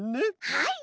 はい！